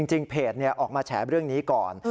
จริงเพจออกมาแฉเรื่องนี้ก่อน